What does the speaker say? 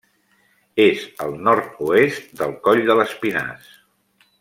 És al nord-oest del Coll de l'Espinàs.